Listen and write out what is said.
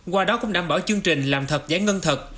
qua đó cũng đảm bảo chương trình làm thật giải ngân thật